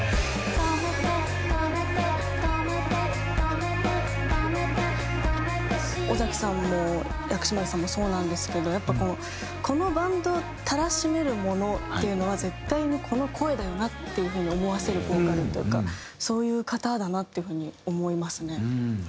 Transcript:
「なるほどね！」尾崎さんもやくしまるさんもそうなんですけどやっぱこうこのバンドたらしめるものっていうのは絶対にこの声だよなっていう風に思わせるボーカルというかそういう方だなっていう風に思いますね。